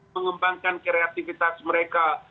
mengembangkan kreativitas mereka